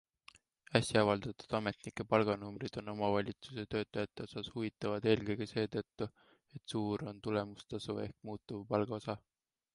Äsja avaldatud ametnike palganumbrid on omavalitsuse töötajate osas huvitavad eelkõige seetõttu, et suur on tulemustasu ehk muutuvpalga osa.